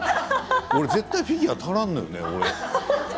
絶対フィギュア足らんのよね。